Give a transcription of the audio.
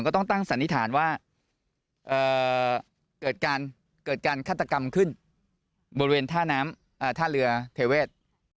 ก็ต้องตั้งสันนิษฐานว่าเกิดการฆาตกรรมขึ้นบริเวณท่าเรือเทเวศ